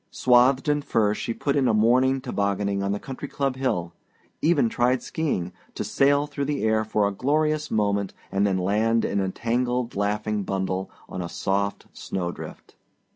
Swathed in furs she put in a morning tobogganing on the country club hill; even tried skiing, to sail through the air for a glorious moment and then land in a tangled laughing bundle on a soft snow drift.